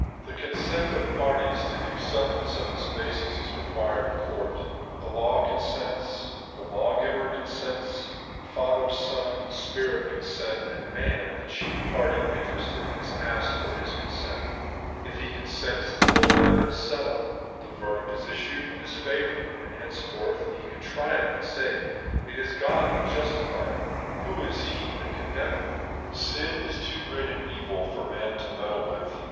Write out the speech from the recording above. The consent of parties to the acceptance of this basis is required in court. The law consents ; the Lawgiver consents ; Father, Son, and Spirit consent; and wia?«, the chief party interested, is asked for hii consent If he consents, the whole matter is settled* The verdict is issued in his favour; and henceforth he can triumph, and say, ' It is God that justifioth ; who is he that condemneth ?* GocVs Answer to Man's Question, 7 Sin is too great an evil for man to meddle with.